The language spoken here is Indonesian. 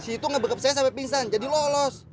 situ ngebekep saya sampe pingsan jadi lolos